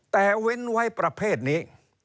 แต่เว้นไว้ประเภทนี้